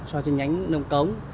cho trên nhánh nông cống